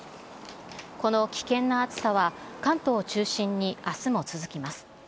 この危険な暑さは、関東を中心にあすも続きます。